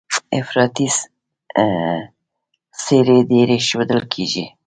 افراطي څېرې ډېرې ښودل کېږي.